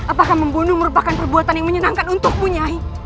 apakah membunuh merupakan perbuatan yang menyenangkan untukmu nyai